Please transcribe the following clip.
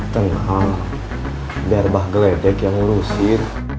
tenang biar bah geledek yang ngurusin